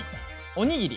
おにぎり。